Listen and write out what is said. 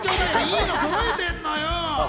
いいのを揃えてんのよ。